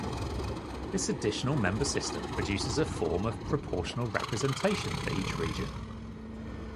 This additional member system produces a form of proportional representation for each region.